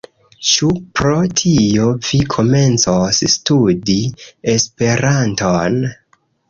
Ĉu pro tio, vi komencos studi Esperanton?